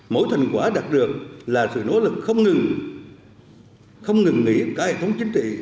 mỗi thành quả đạt được là sự nỗ lực không ngừng không ngừng nghỉ của cả hệ thống chính trị